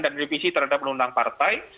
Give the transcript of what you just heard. dan revisi terhadap undang undang partai